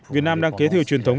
việt nam đang kế thừa truyền thống